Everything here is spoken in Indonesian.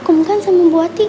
kamu kan sama bu ati